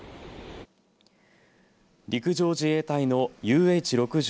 陸上自衛隊のＵＨ６０